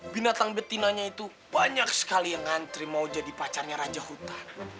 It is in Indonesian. binatang betinanya itu banyak sekali yang ngantri mau jadi pacarnya raja huta